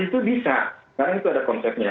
itu bisa karena itu ada konsepnya